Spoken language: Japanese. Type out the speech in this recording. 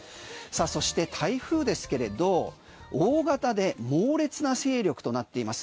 そして、台風ですけれど大型で猛烈な勢力となっています。